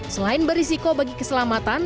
selain berisiko bagi keselamatan